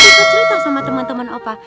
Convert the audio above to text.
dicerita sama temen temen opa